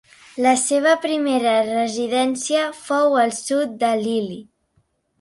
La seva primera residència fou al sud de l'Ili.